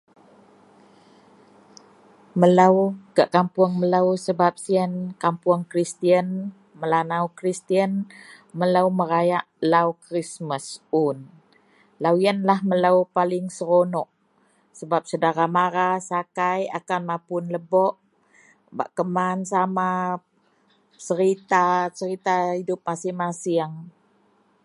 Melou gak kapuong melou, sebab siyen kapuong Kristian, Melanau Kristian, melou merayak lau Krismas un. Lau yenlah melou paling seronok sebab sedara mara, sakai akan mapun lebok bak keman sama, serita, serita hidup masieng-masieng.